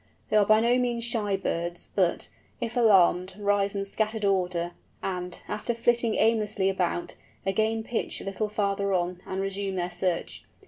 They are by no means shy birds, but, if alarmed, rise in scattered order, and, after flitting aimlessly about, again pitch a little farther on, and resume their search.